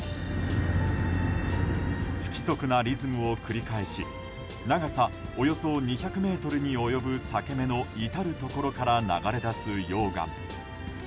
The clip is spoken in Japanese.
不規則なリズムを繰り返し長さおよそ２００ｍに及ぶ裂け目の至るところから流れ出す溶岩。